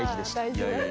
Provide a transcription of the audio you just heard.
いやいや。